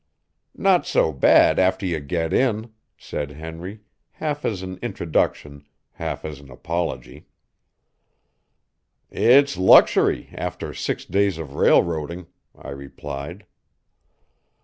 "Not so bad after you get in," said Henry, half as an introduction, half as an apology. "It's luxury after six days of railroading," I replied.